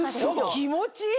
気持ちいい！